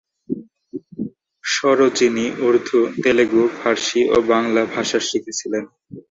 Sarojini Urdu, Telugu, Farsi ও বাংলা ভাষা শিখেছিলেন।